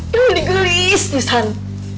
dih di gelis di sana